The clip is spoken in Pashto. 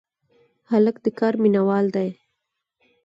هلک د کار مینه وال دی.